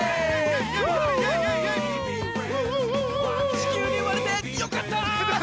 地球に生まれてよかった！